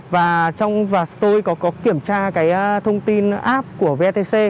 và trong vật tôi có kiểm tra cái thông tin app của vtc